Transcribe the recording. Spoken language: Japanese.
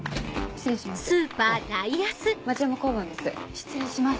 失礼します